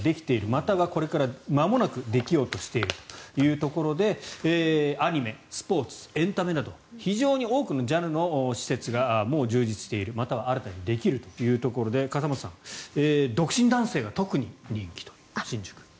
またはこれからまもなくできようとしているというところでアニメ、スポーツ、エンタメなど非常に多くのジャンルの施設がもう充実しているまたは新たにできるということで笠松さん、独身男性が新宿、特に人気と。